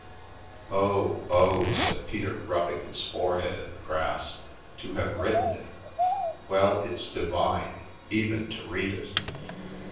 " Oh, oh !" said Peter, rubbing his forehead in the grass, " to have written it ! Well, it's divine, even to read it.